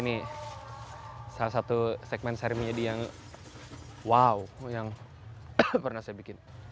ini salah satu segmen seri menjadi yang wow yang pernah saya bikin